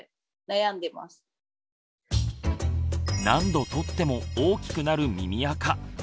何度取っても大きくなる耳あか